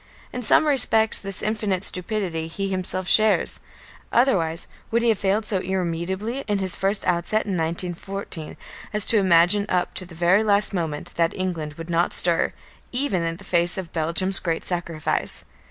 In some respects this infinite stupidity he himself shares. Otherwise would he have failed so irremediably in his first outset in 1914 as to imagine up to the very last moment that England would not stir, even in face of Belgium's great sacrifice.